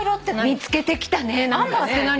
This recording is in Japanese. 見つけてきたね何かね。